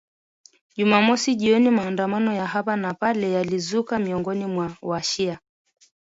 Jumamosi jioni maandamano ya hapa na pale yalizuka miongoni mwa wa shia